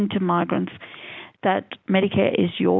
kepada migran bahwa medikare adalah